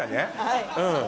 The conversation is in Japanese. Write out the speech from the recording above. はい。